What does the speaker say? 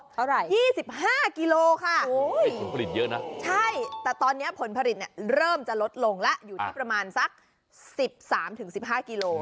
แต่ตอนนี้ผลผลิตเริ่มจะลดลงละอยู่ที่ประมาณสัก๑๓๑๕กิโล